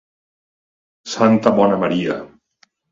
Santa bona Maria!